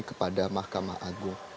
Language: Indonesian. kepada mahkamah agung